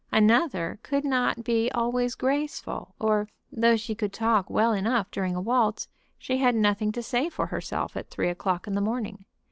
Another could not be always graceful, or, though she could talk well enough during a waltz, she had nothing to say for herself at three o'clock in the morning.